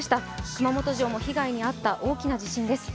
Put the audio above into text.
熊本城も被害に遭った大きな地震です。